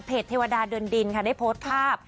เทวดาเดินดินค่ะได้โพสต์ภาพ